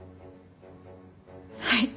はい。